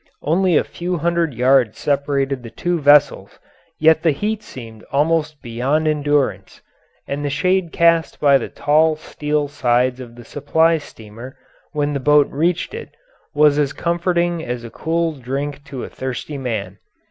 Only a few hundred yards separated the two vessels, yet the heat seemed almost beyond endurance, and the shade cast by the tall steel sides of the supply steamer, when the boat reached it, was as comforting as a cool drink to a thirsty man.